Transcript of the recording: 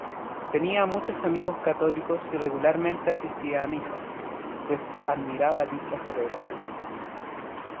Tenía muchos amigos católicos y regularmente asistía a misa, pues admiraba dicha celebración.